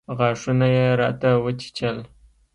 غاښونه يې راته وچيچل.